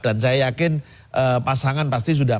dan saya yakin pasangan pasti sudah